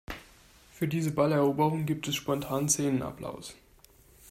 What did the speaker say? Für diese Balleroberung gibt es spontanen Szenenapplaus.